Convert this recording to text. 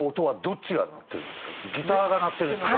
ギターが鳴ってるんですか？